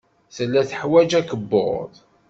Tella teḥwaj akebbuḍ.